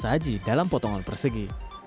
sisa dari kue yang terlaji dalam potongan persegi